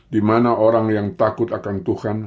dimana orang yang takut akan tuhan